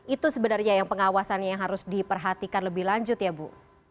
itu sebenarnya yang pengawasannya yang harus diperhatikan lebih lanjut ya bu